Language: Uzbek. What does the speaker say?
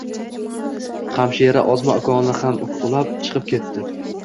Hamshira osma ukolni ham ulab chiqib ketdi.